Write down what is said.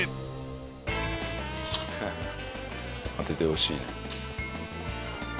当ててほしいね。